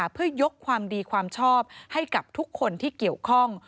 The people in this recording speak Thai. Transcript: เพื่อยกความดีความชอบให้กับทุกคนที่เกี่ยวข้อง